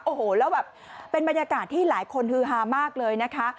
โอ้โหแล้วแบบเป็นบรรยากาศที่หลายคนฮือฮามากเลยนะคะ